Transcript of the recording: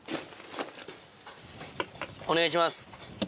お願いします。